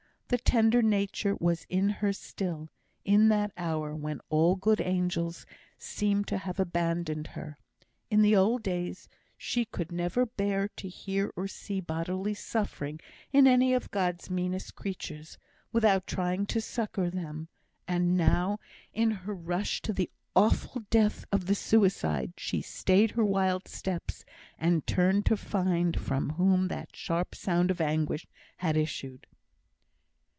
The tender nature was in her still, in that hour when all good angels seemed to have abandoned her. In the old days she could never bear to hear or see bodily suffering in any of God's meanest creatures, without trying to succour them; and now, in her rush to the awful death of the suicide, she stayed her wild steps, and turned to find from whom that sharp sound of anguish had issued.